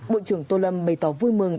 bộ trưởng tô lâm bày tỏ vui mừng